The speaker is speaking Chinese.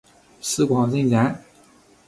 时光荏苒。